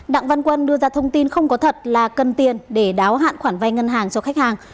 đặng văn quân đưa ra thông tin không có thật là cần tiền để đáo hạn khoản vay ngân hàng cho khách hàng